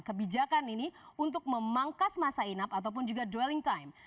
kebijakan ini untuk memangkas masa inap ataupun juga dwelling time